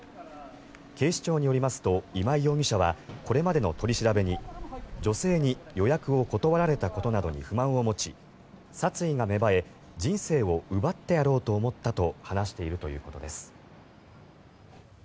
警視庁によりますと今井容疑者はこれまでの取り調べに女性に予約を断られたことなどに不満を持ち殺意が芽生え人生を奪ってやろうと思ったと話しているということです。